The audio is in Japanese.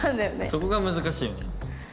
そこが難しいよね。